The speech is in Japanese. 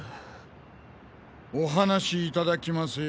お話しいただきますよ